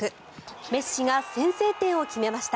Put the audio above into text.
メッシが先制点を決めました。